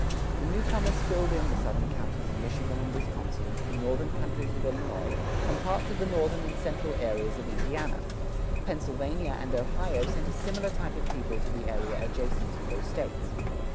The newcomers filled in the southern counties of Michigan and Wisconsin, the northern countries of Illinois, and parts of the northern and central areas of Indiana. Pennsylvania and Ohio sent a similar type of people to the area adjacent to those States.